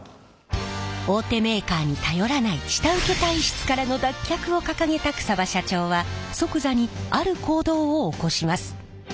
大手メーカーに頼らない下請け体質からの脱却を掲げた草場社長は即座にある行動を起こします。